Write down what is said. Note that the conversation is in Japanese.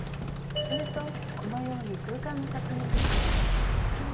するとこのように空間が確認できます。